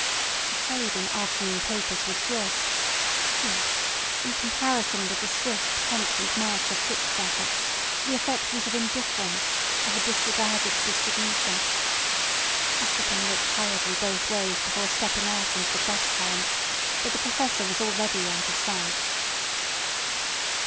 The trade in afternoon papers was brisk, yet, in comparison with the swift, constant march of foot traffic, the effect was of indifference, of a disregarded distribution. Ossipon looked hurriedly both ways before stepping out into the cross currents, but the Professor was already out of sight.